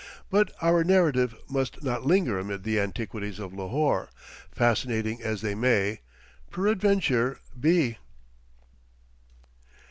But our narrative must not linger amid the antiquities of Lahore, fascinating as they may, peradventure, be.